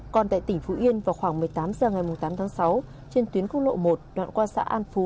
còn tại tỉnh phú yên vào khoảng một mươi tám h ngày tám tháng sáu trên tuyến quốc lộ một đoạn qua xã an phú